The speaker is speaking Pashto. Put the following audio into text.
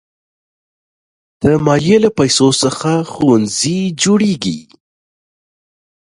د مالیې له پیسو څخه ښوونځي جوړېږي.